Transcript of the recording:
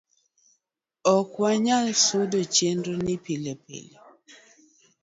ok wanyal sudo chenro ni pile pile